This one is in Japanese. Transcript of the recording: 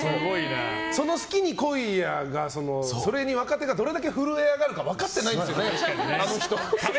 その、好きにこいやにどれだけ若手が震え上がるか分かってないんですよね。